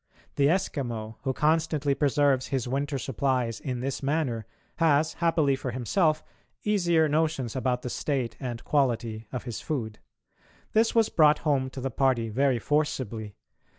The Eskimo, who constantly preserves his winter supplies in this manner, has, happily for himself, easier notions about the state and quality of his food. This was brought home to the party very forcibly.